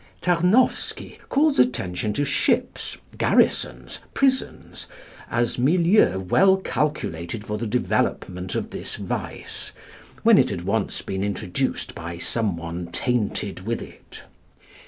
Tarnowsky calls attention to ships, garrisons, prisons, as milieux well calculated for the development of this vice, when it had once been introduced by some one tainted with it.